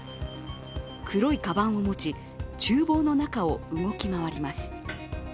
黒いかばんを持ち、ちゅう房の中を動き回ります。